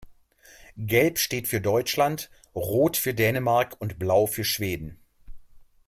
Gelb steht für Deutschland, Rot für Dänemark und Blau für Schweden.